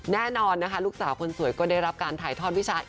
แน่นอนนะคะลูกสาวคนสวยก็ได้รับการถ่ายทอดวิชา